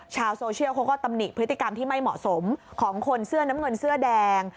ชาวโซเชียลเขาก็ตำหนิพฤติกรรมที่ไม่เหมาะสมของคนเสื้อน้ำเงินเสื้อแดง